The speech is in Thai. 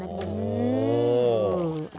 โอ้โฮ